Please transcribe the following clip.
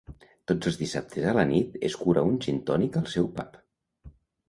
Tots els dissabtes a la nit escura un gintònic al seu pub.